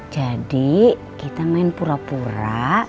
jadi kita main pura pura